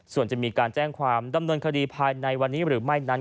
ส่วนจะมีการแจ้งความดำเนินคดีภายในวันนี้หรือไม่นั้น